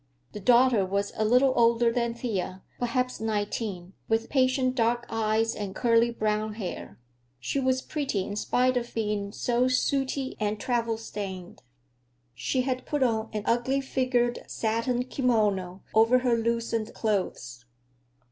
The daughter was a little older than Thea, perhaps nineteen, with patient dark eyes and curly brown hair. She was pretty in spite of being so sooty and travel stained. She had put on an ugly figured satine kimono over her loosened clothes.